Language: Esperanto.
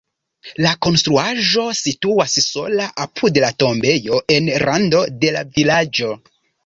La konstruaĵo situas sola apud la tombejo en rando de la vilaĝo.